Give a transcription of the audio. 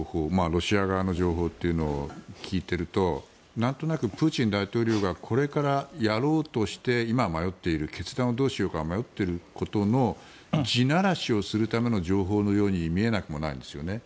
ロシア側の情報というのを聞いているとなんとなくプーチン大統領がこれからやろうとして今、迷っている決断をどうしようか迷っていることの地ならしをするための情報のように見えなくもないですね。